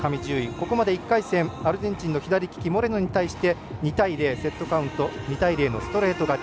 ここまで１回戦のアルゼンチンの左利きモレノに対してセットカウント２対０のストレート勝ち。